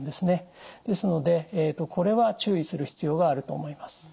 ですのでこれは注意する必要があると思います。